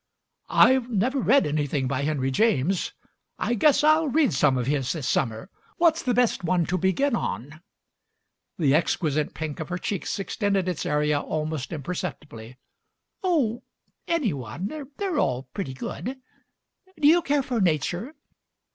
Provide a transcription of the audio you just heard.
"I've never read anything by Henry James. I Digitized by Google MARY SMITH 145 guess ni read gome of his this summer. What's the best one to begin on?" The exquisite pink of her cheeks extended its area almost imperceptibly. "Oh, any one. They're all "pretty good. Do you care for Nature?"